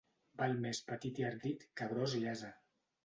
Val més petit i ardit que gros i ase.